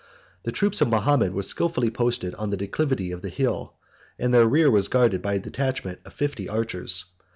The troops of Mahomet were skilfully posted on the declivity of the hill; and their rear was guarded by a detachment of fifty archers.